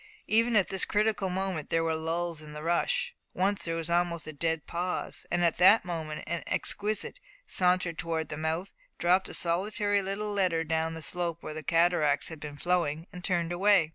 Even at this critical moment there were lulls in the rush. Once there was almost a dead pause, and at that moment an exquisite sauntered towards the mouth, dropped a solitary little letter down the slope where whole cataracts had been flowing, and turned away.